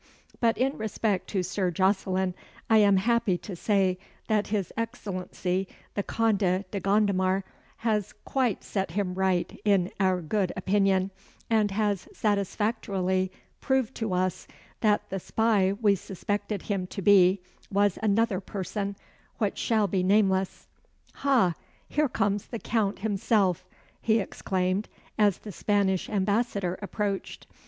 But in respect to Sir Jocelyn, I am happy to say that his Excellency the Conde de Gondomar has quite set him right in our gude opinion; and has satisfactorily proved to us that the spy we suspected him to be was anither person, wha shall be nameless. Ha! here comes the Count himself," he exclaimed, as the Spanish Ambassador approached.